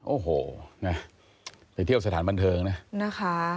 โอ้โหไปเที่ยวสถานบันเทิงนะ